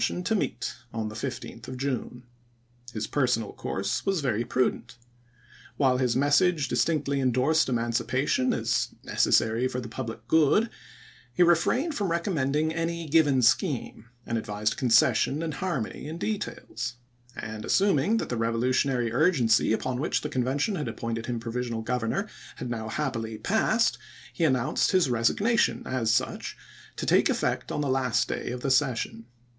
tion to meet on the loth of June. His personal course was very prudent. While his message dis tinctly indorsed emancipation as " necessary for the public good," he refrained from recommending any given scheme, and advised concession and harmony in details ; and, assuming that the revolu tionary urgency upon which the Convention had appointed him provisional governor had now happily passed, he announced his resignation as such to take effect on the last day of the session.